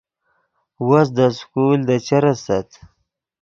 وس دے سکول دے چر استت